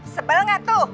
sebel gak tuh